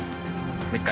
もう１回。